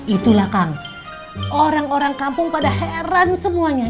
itulah kang orang orang kampung pada heran semuanya